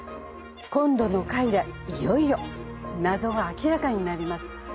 今度の回でいよいよ謎が明らかになります。